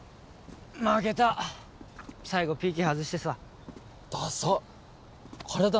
負けた最後ＰＫ外してさだ